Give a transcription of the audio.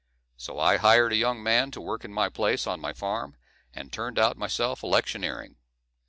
So I hired a young man to work in my place on my farm, and turned out myself electioneering.